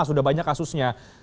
sudah banyak kasusnya